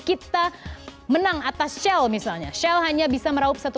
kita menang atas shell misalnya shell hanya bisa merauk satu tujuh miliar dolar